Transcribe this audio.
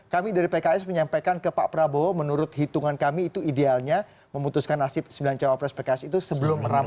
kami dari pks menyampaikan ke pak prabowo menurut hitungan kami itu idealnya memutuskan nasib sembilan cawapres pks itu sebelum ramadhan